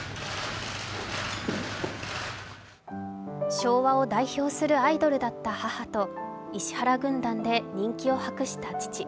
昭和を代表するアイドルだった母と石原軍団で人気を博した父。